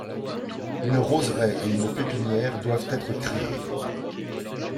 Une roseraie et une pépinière doivent être créées.